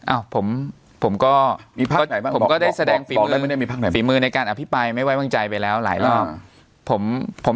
อาผมก็ได้แสดงฝีมือในการอภิปัยไม่ไว้วางใจไปแล้วหลายรอบ